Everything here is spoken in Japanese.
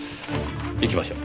行きましょう。